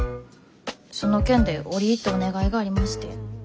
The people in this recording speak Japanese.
その件で折り入ってお願いがありまして。